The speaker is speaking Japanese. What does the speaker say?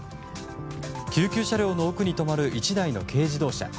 救急車両の奥に止まる１台の軽自動車。